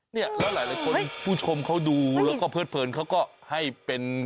เนี่ยแล้วหลายคนผู้ชมเขาดูแล้วก็เพิดเพลินเขาก็ให้เป็น